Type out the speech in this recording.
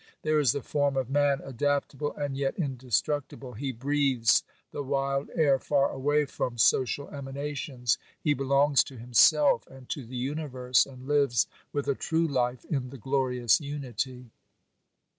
There is the form of man adaptable and yet indestructible ; he breathes the wild air far away from social emanations ; he belongs to himself and to the universe, and lives with a true life in the glorious unity.